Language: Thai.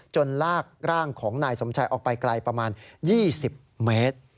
ลากร่างของนายสมชัยออกไปไกลประมาณ๒๐เมตร